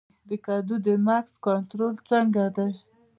د کدو د مګس کنټرول څنګه دی؟